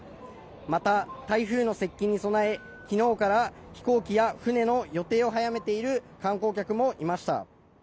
また、台風の接近に備え昨日から飛行機や船の予定を早めている観光客もいました。